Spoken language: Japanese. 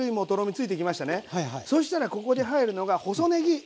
そしたらここで入るのが細ねぎ。